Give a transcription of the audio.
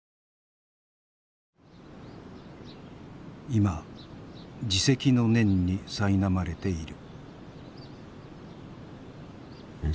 今自責の念にさいなまれている。